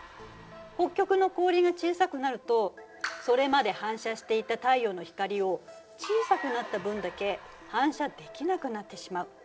北極の氷が小さくなるとそれまで反射していた太陽の光を小さくなった分だけ反射できなくなってしまう。